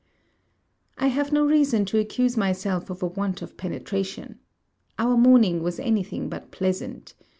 I have no reason to accuse myself of a want of penetration. Our morning was any thing but pleasant.